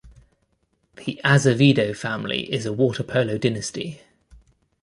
The Azevedo family is a water polo dynasty.